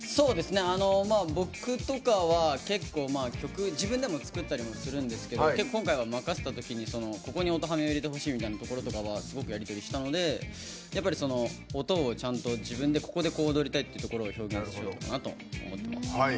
僕とかは結構、曲を自分でも作ったりするんですけど今回は任せたときにここに音はめを入れてほしいとかすごくやり取りしたので音をちゃんと自分でここで、こう踊りたいというのを表現しようかなと。